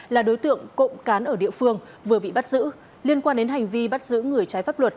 là đối tượng cộng cán ở địa phương vừa bị bắt giữ liên quan đến hành vi bắt giữ người trái pháp luật